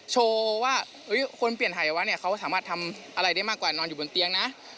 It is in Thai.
โชว์ว่าคนเปลี่ยนหายวะเนี่ยเขาสามารถทำอะไรได้มากกว่านอนอยู่บนเตียงนะ